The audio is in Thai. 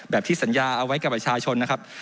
ที่สัญญาเอาไว้กับประชาชนนะครับ